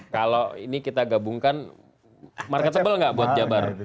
kalau ini kita gabungkan marketable nggak buat jabar